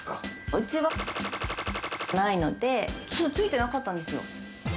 うちはないのでついてなかったんですよ。